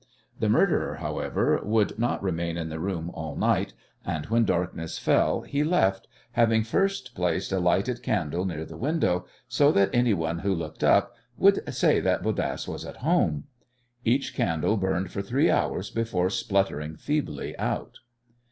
The murderer, however, would not remain in the room all night, and when darkness fell he left, having first placed a lighted candle near the window so that anyone who looked up would say that Bodasse was at home. Each candle burned for three hours before spluttering feebly out.